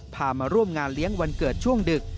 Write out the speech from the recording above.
มาร่วมงานเลี้ยงวันเกิดช่วงดึก